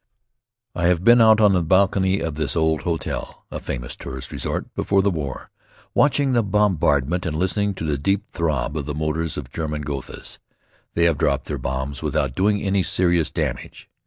I have been out on the balcony of this old hotel, a famous tourist resort before the war, watching the bombardment and listening to the deep throb of the motors of German Gothas. They have dropped their bombs without doing any serious damage.